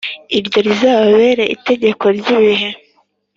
Iryo rizababere itegeko ry ibihe